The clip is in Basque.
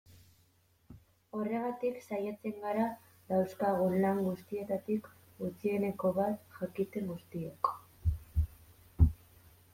Horregatik saiatzen gara dauzkagun lan guztietatik gutxieneko bat jakiten guztiok.